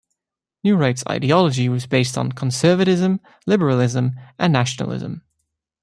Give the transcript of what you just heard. New Right's ideology was based on conservatism, liberalism and nationalism.